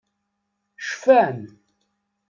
Cfan.